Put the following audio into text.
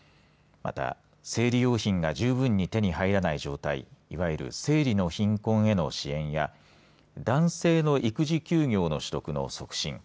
また生理用品が十分に手に入らない状態いわゆる生理の貧困への支援や男性の育児休業の取得の促進